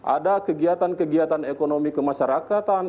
ada kegiatan kegiatan ekonomi kemasyarakatan